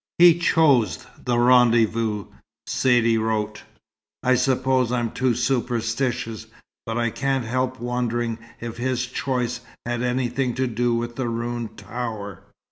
"He chose the rendezvous," Saidee wrote. "I suppose I'm too superstitious, but I can't help wondering if his choice had anything to do with the ruined tower?